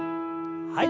はい。